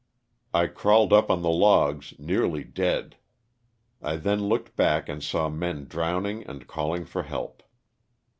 I crawled up on the logs nearly dead. I then looked back and saw men drowning and calling for help.